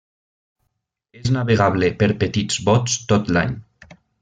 És navegable per petits bots tot l'any.